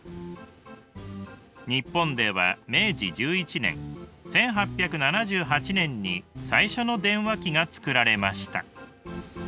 日本では明治１１年１８７８年に最初の電話機が作られました。